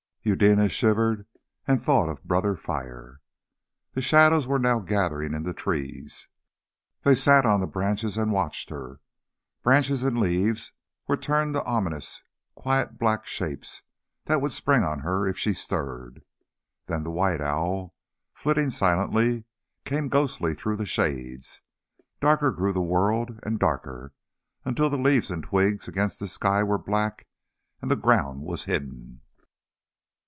Eudena shivered and thought of Brother Fire. The shadows now were gathering in the trees, they sat on the branches and watched her. Branches and leaves were turned to ominous, quiet black shapes that would spring on her if she stirred. Then the white owl, flitting silently, came ghostly through the shades. Darker grew the world and darker, until the leaves and twigs against the sky were black, and the ground was hidden.